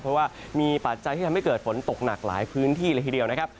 เพราะว่ามีปัจจัยที่ทำให้เกิดฝนตกหนักหลายพื้นที่เลยทีเดียวนะครับ